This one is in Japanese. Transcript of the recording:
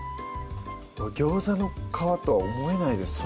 ギョウザの皮とは思えないですね